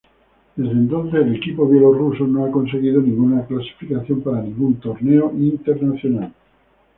Desde entonces, el equipo bielorruso no ha conseguido ninguna clasificación para ningún torneo internacional.